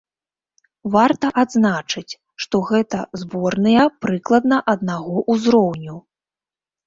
Варта адзначыць, што гэта зборныя прыкладна аднаго ўзроўню.